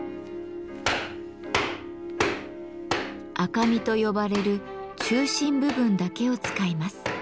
「赤身」と呼ばれる中心部分だけを使います。